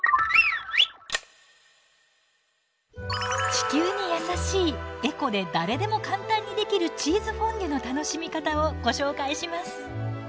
地球にやさしいエコで誰でも簡単にできるチーズフォンデュの楽しみ方をご紹介します。